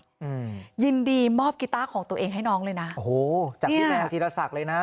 อืมยินดีมอบกีต้าของตัวเองให้น้องเลยนะโอ้โหจากพี่แมวจีรศักดิ์เลยนะ